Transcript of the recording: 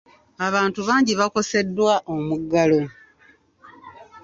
Abantu bangi bakoseddwa omuggalo.